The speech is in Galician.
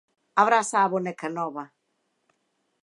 Abraza a boneca nova.